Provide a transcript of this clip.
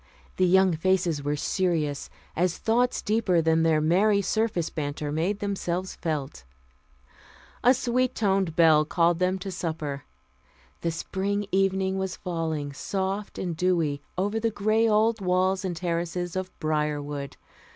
The young faces were serious as thoughts deeper than their merry surface banter made themselves felt. A sweet toned bell called them to supper. The spring evening was falling, soft and dewy, over the gray old walls and terraces of Briarwood.